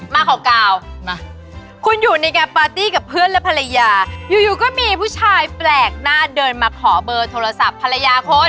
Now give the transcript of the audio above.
มาข่าวกาวมาคุณอยู่ในงานปาร์ตี้กับเพื่อนและภรรยาอยู่ก็มีผู้ชายแปลกหน้าเดินมาขอเบอร์โทรศัพท์ภรรยาคุณ